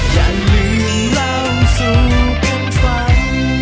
อย่าลืมเล่าสู่กันฟัง